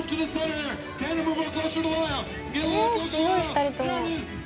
２人とも。